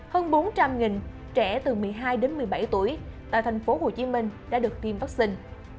hơn bốn trăm linh trẻ từ một mươi hai một mươi bảy tuổi tại thành phố hồ chí minh đã được tiêm vắc xin